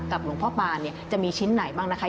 กับหลวงพ่อปานจะมีชิ้นไหนบ้างนะคะ